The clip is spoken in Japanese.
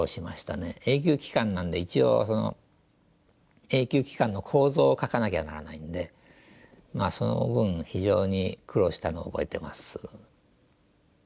永久機関なんで一応永久機関の構造を描かなきゃならないんでその分非常に苦労したのを覚えてます。